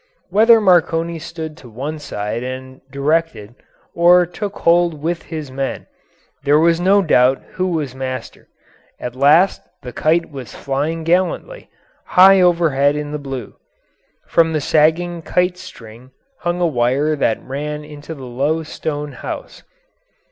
Whether Marconi stood to one side and directed or took hold with his men, there was no doubt who was master. At last the kite was flying gallantly, high overhead in the blue. From the sagging kite string hung a wire that ran into the low stone house.